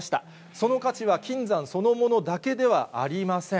その価値は金山そのものだけではありません。